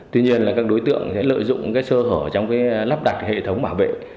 tuy nhiên các đối tượng lợi dụng sơ hở trong lắp đặt hệ thống bảo vệ